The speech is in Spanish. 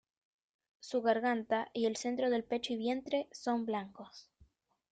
Su garganta, y el centro del pecho y vientre son blancos.